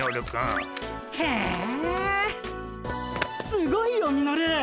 すごいよミノル！